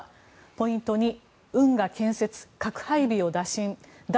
ポイント２運河建設、核配備を打診脱